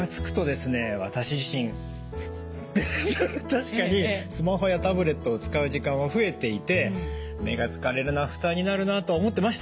確かにスマホやタブレットを使う時間は増えていて目が疲れるな負担になるなとは思ってました。